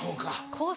コース